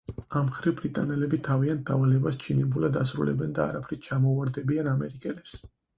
ამ მხრივ ბრიტანელები თავიანთ დავალებას ჩინებულად ასრულებენ და არაფრით ჩამოუვარდებიან ამერიკელებს.